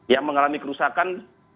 yang mengalami kerusakan